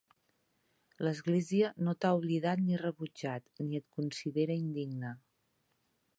L'Església no t'ha oblidat ni rebutjat, ni et considera indigne.